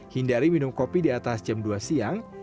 hindari minum kopi di atas jam dua siang